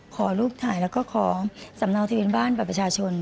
ขอรูปถ่ายแล้วก็ขอสำเนาทะเบียนบ้านบัตรประชาชน